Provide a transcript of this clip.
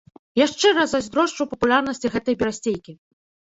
Я шчыра зайздрошчу папулярнасці гэтай берасцейкі!